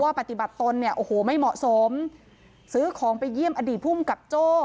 ปฏิบัติตนเนี่ยโอ้โหไม่เหมาะสมซื้อของไปเยี่ยมอดีตภูมิกับโจ้